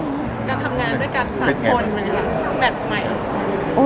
แล้วทำงานด้วยกันสามคนแบบไหนอ่ะ